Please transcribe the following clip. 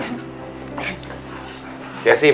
ya si makasih ya